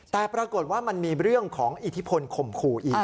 แต่ปรากฏว่ามันมีเรื่องของอิทธิพลข่มขู่อีก